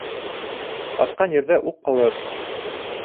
Атҡан ерҙә уҡ ҡалыр.